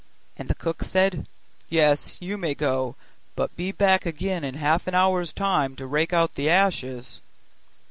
And the cook said, 'Yes, you may go, but be back again in half an hour's time, to rake out the ashes.